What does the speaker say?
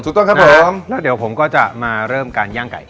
ถูกต้องครับผมนะครับแล้วเดี๋ยวผมก็จะมาเริ่มการย่างไก่